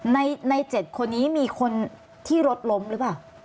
ใน๗คนนี้มีคนที่รถล้มหรือเปล่า